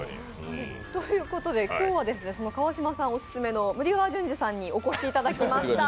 ということで今日は川島さんオススメのムディ川淳二さんにお越しいただきました。